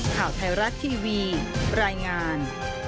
ข่าวไทยรัฐทีวีรายงาน